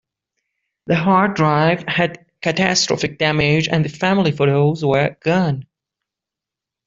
The hard drive had catastrophic damage and the family photos were gone.